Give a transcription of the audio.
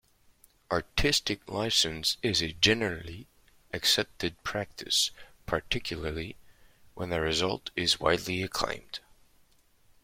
Artistic license is a generally accepted practice, particularly when the result is widely acclaimed.